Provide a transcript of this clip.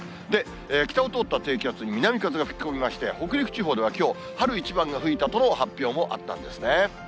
北を通った低気圧に南風が吹き込みまして、北陸地方ではきょう、春一番が吹いたとの発表もあったんですね。